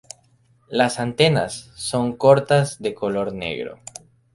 Las antenas son cortas de color negro.